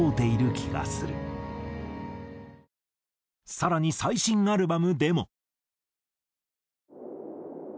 更に最新アルバムでも。